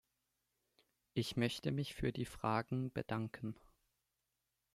Ich möchte mich für die Fragen bedanken.